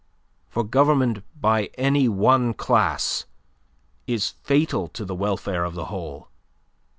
For government by any one class is fatal to the welfare of the whole.